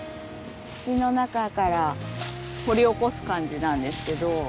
土の中から掘り起こす感じなんですけど。